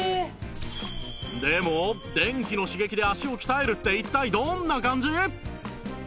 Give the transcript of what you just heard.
でも電気の刺激で足を鍛えるって一体どんな感じ？